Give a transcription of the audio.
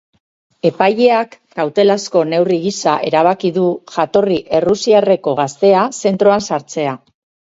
Epaileak kautelazko neurri gisa erabaki du jatorri errusiarreko gaztea zentroan sartzea.